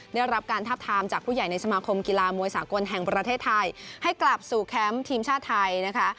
ได้รับการทับทามจากผู้ใหญ่ในสมาคมกีฬามวยสากลแห่งประเทศไทยให้กลับสู่แคมป์ทีมชาติไทยนะคะ